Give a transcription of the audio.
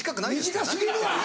短過ぎるわ！